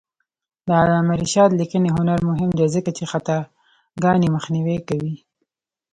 د علامه رشاد لیکنی هنر مهم دی ځکه چې خطاګانې مخنیوی کوي.